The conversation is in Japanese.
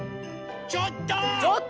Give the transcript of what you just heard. ちょっと！